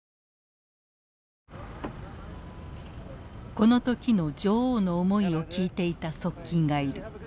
この時の女王の思いを聞いていた側近がいる。